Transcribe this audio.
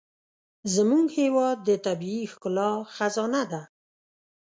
زموږ هېواد د طبیعي ښکلا خزانه ده.